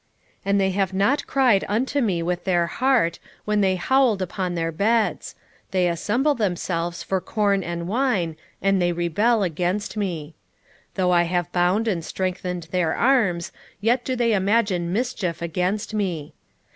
7:14 And they have not cried unto me with their heart, when they howled upon their beds: they assemble themselves for corn and wine, and they rebel against me. 7:15 Though I have bound and strengthened their arms, yet do they imagine mischief against me.